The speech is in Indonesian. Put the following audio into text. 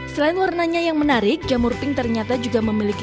selain warnanya yang menarik jamur pink ternyata juga memiliki